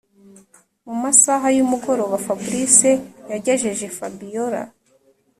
mumasaha yumugoroba fabric yagejeje fabiora